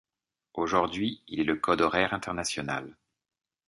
Aujourd'hui, il est le code horaire international.